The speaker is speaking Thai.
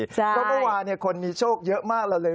ก็เมื่อวานี่คนนี้โชคเยอะมากแล้วเลย